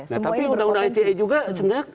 nah tapi undang undang eta juga sebenarnya